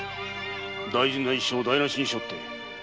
大事な一生を台なしにしおって。